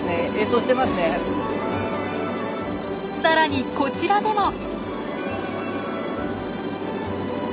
さらにこちらでも。